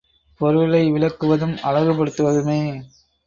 பொருளை விளக்குவதும் அழகுபடுத்துவதுமே